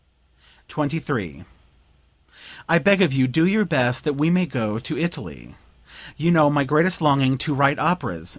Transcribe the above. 23. "I beg of you do your best that we may go to Italy. You know my greatest longing to write operas....